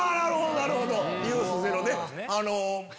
なるほど！